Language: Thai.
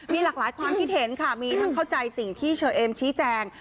มีหลากหลายความคิดเห็นค่ะมีทั้งเข้าใจสิ่งที่เชอเอมชี้แจง